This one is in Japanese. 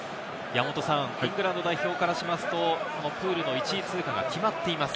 イングランド代表からしますと、プールの１位通過が決まっています。